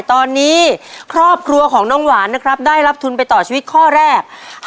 ตอนนี้ครอบครัวของน้องหวานนะครับได้รับทุนไปต่อชีวิตข้อแรก